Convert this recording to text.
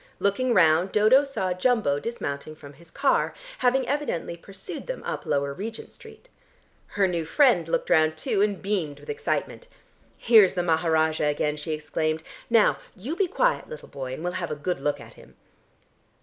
Looking round, Dodo saw Jumbo dismounting from his car, having evidently pursued them up Lower Regent Street. Her new friend looked round too, and beamed with excitement. "Here's the Maharajah again!" she exclaimed. "Now you be quiet, little boy, and we'll have a good look at him."